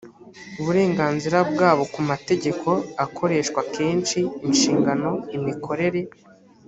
uburenganzira bwabo ku mategeko akoreshwa kenshi inshingano imikorere